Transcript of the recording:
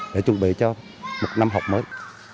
để chuẩn bị cho một năm học mới